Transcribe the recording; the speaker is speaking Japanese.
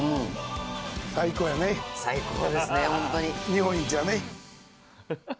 日本一やね。